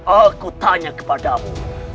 aku tanya kepadamu